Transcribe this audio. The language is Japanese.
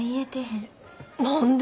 何で？